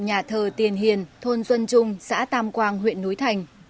nhà thờ tiền hiền thôn xuân trung xã tam quang huyện núi thành